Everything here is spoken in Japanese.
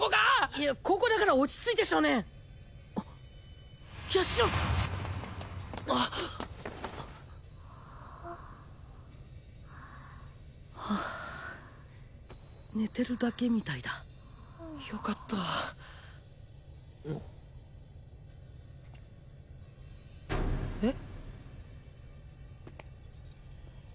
いやここだから落ち着いて少年あっヤシロ！はあ寝てるだけみたいだよかったえっ？